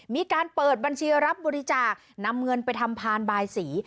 มีการเปิดบัญชีรับบริจาคนำเงินไปทำพานบายสี